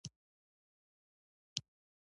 په پخوا وختونو کې به ډاکترانو د ناروغ نس پرانستلو.